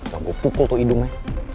mau gue pukul tuh hidungnya